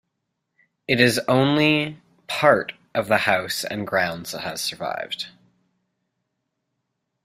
It is the only part of the house and grounds that has survived.